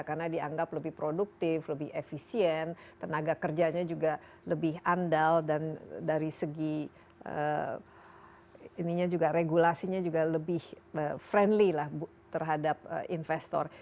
karena dianggap lebih produktif lebih efisien tenaga kerjanya juga lebih andal dan dari segi ininya juga regulasinya juga lebih friendly lah terhadap investor